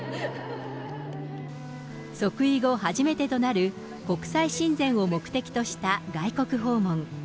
即位後初めてとなる国際親善を目的とした外国訪問。